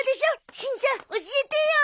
しんちゃん教えてよ。